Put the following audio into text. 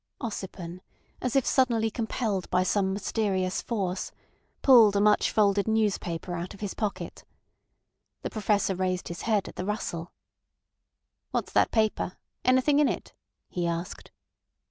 Ossipon, as if suddenly compelled by some mysterious force, pulled a much folded newspaper out of his pocket. The Professor raised his head at the rustle. "What's that paper? Anything in it?" he asked.